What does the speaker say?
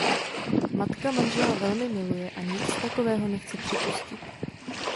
Matka manžela velmi miluje a nic takového nechce připustit.